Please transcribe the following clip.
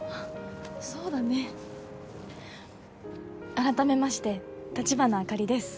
そうだね改めまして立花あかりです